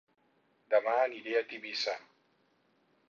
Dema aniré a Tivissa